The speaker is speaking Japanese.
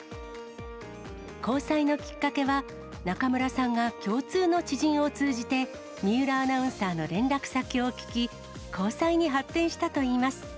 交際のきっかけは、中村さんが共通の知人を通じて、水卜アナウンサーの連絡先を聞き、交際に発展したといいます。